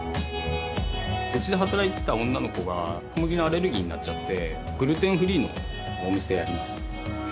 うちで働いてた女の子が小麦のアレルギーになっちゃってグルテンフリーのお店やります